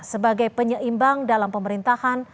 sebagai penyeimbang dalam pemerintahan